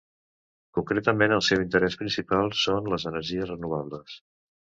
Concretament, el seu interès principal són les energies renovables.